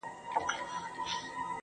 او دا نور خو ټول فنون او کسبونه دي